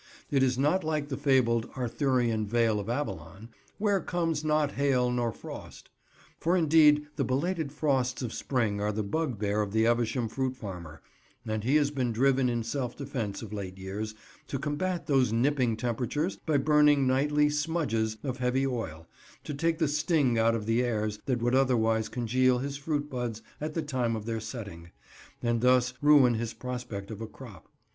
It is not like the fabled Arthurian Vale of Avalon, "where comes not hail nor frost"; for indeed the belated frosts of spring are the bugbear of the Evesham fruit farmer, and he has been driven in self defence of late years, to combat those nipping temperatures by burning nightly "smudges" of heavy oil, to take the sting out of the airs that would otherwise congeal his fruit buds at the time of their setting, and thus ruin his prospect of a crop.